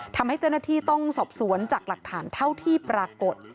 ทำให้เจ้าหน้าที่ต้องสอบสวนจากหลักฐานเท่าที่ปรากฏ